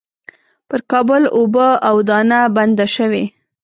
پر کابل اوبه او دانه بنده شوې.